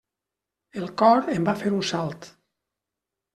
El cor em va fer un salt.